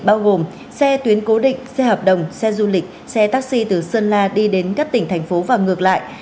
bao gồm xe tuyến cố định xe hợp đồng xe du lịch xe taxi từ sơn la đi đến các tỉnh thành phố và ngược lại